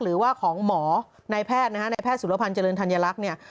หรือว่าของหมอนายแพทย์นะฮะในแพทย์สุรพันธ์เจริญธัญลักษณ์เนี่ย